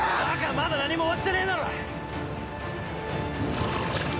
まだ何も終わっちゃねえだろ！